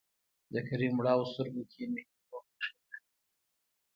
د کريم مړاوو سترګو کې نهيلي وبرېښېده.